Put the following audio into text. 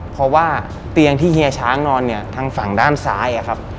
เพราะว่าเตียงที่เฮียช้างนอนทางฝั่งด้านซ้าย